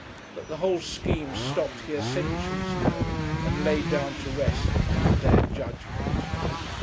That the whole scheme stopped here centuries ago, and laid down to rest until the Day of Judgment.